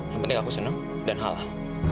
yang penting aku seneng dan halal